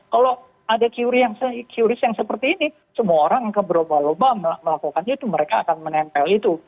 kalau ada qr yang seperti ini semua orang keberobaan berobaan melakukan itu mereka akan menempel itu